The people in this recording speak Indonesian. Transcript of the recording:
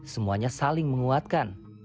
semuanya saling menguatkan